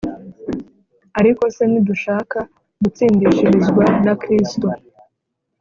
Ariko se nidushaka gutsindishirizwa na Kristo